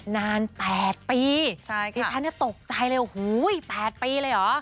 นาน๘ปีที่ฉันตกใจเลยว่า๘ปีเลยหรอ